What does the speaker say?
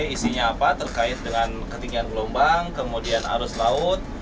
isinya apa terkait dengan ketinggian gelombang kemudian arus laut